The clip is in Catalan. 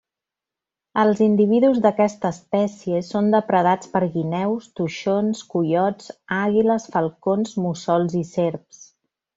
Els individus d'aquesta espècie són depredats per guineus, toixons, coiots, àguiles, falcons, mussols i serps.